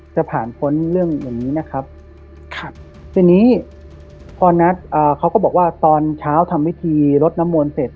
จะผ่านพ้นเรื่องอย่างนี้นะครับครับทีนี้พอนัดเขาก็บอกว่าตอนเช้าทำวิธีรดน้ำมนต์เสร็จ